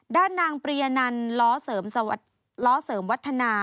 ด้านนางปริยนัลล้อเสริมวัฒนา